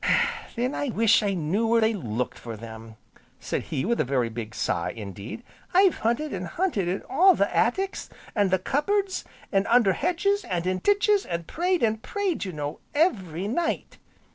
"Then I wish I knew where they looked for them," said he with a very big sigh indeed, "I've hunted an' hunted in all the attics, an' the cupboards, an' under hedges, an' in ditches, an' prayed, an' prayed, you know, every night."